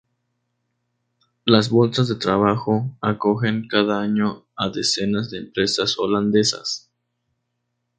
Las bolsas de trabajo acogen cada año a decenas de empresas holandesas.